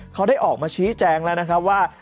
เขาได้ออกมาชี้แจงแล้วนะครับว่า